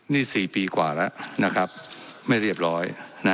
นี่๔ปีกว่าแล้วนะครับไม่เรียบร้อย